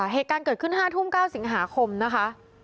เหตุการณ์เกิดขึ้น๕ทุ่ม๙สิงหาคมนะคะ